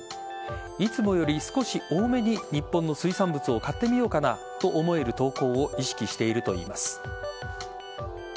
いつもより少し多めに日本の水産物を買ってみようかなと思える投稿を意識しているといいます。